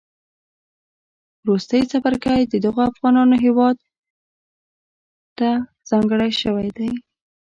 وروستی څپرکی د دغو افغانانو هیواد تهځانګړی شوی دی